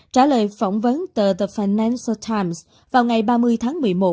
trả lời phỏng vấn tờ the financial times vào ngày ba mươi tháng một mươi một